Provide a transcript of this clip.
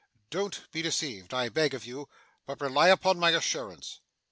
Don't be deceived, I beg of you, but rely upon my assurance.